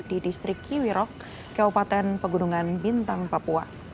di distrik kiwirok kabupaten pegunungan bintang papua